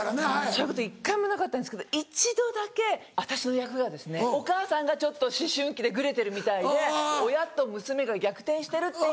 そういうこと１回もなかったんですけど一度だけ私の役がお母さんがちょっと思春期でグレてるみたいで親と娘が逆転してるっていう。